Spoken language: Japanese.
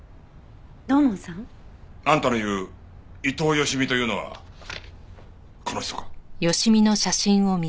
土門さん？あんたの言う伊藤佳美というのはこの人か？